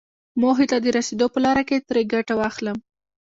موخې ته د رسېدو په لاره کې ترې ګټه واخلم.